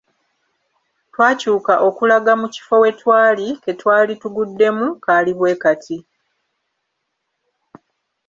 Twakyuka okulaga mu kifo we twali ke twali tuguddemu kaali bwe kati.